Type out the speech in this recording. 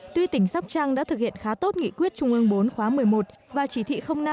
tuy tỉnh sóc trăng đã thực hiện khá tốt nghị quyết trung ương bốn khóa một mươi một và chỉ thị năm